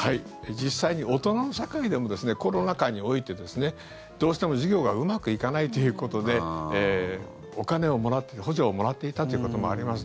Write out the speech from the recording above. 実際に、大人の社会でもコロナ禍においてどうしても事業がうまくいかないということでお金を、補助をもらっていたということもあります。